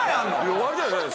終わりじゃないの？